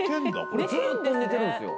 これずっと寝てるんですよ